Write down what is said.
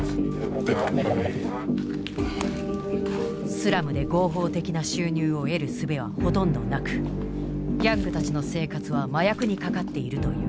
スラムで合法的な収入を得るすべはほとんどなくギャングたちの生活は麻薬にかかっているという。